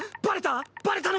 バレた？